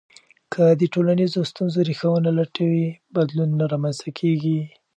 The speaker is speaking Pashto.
که د ټولنیزو ستونزو ریښه ونه لټوې، بدلون نه رامنځته کېږي.